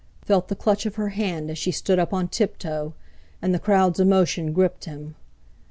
felt the clutch of her hand as she stood up on tiptoe; and the crowd's emotion gripped him.